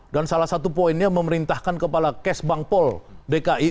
dan salah satu poinnya memerintahkan kepala kes bankpol dki